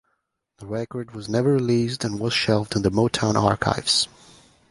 The record was never released and was shelved in the Motown archives.